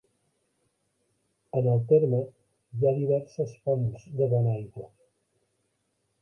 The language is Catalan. En el terme hi ha diverses fonts de bona aigua.